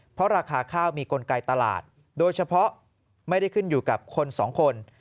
เพราะราคาข้าวมีกลไกตลาดโดยเฉพาะไม่ได้ขึ้นอยู่กับคนสองคน